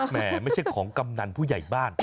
ไม่ใช่ของกำนันผู้ใหญ่บ้าน